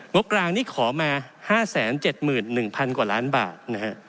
บกลางนี่ขอมา๕๗๑๐๐กว่าล้านบาทนะฮะ